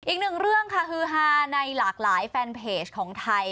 อีกหนึ่งเรื่องค่ะฮือฮาในหลากหลายแฟนเพจของไทย